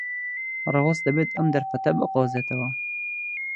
ڕەوەز دەبێت ئەم دەرفەتە بقۆزێتەوە.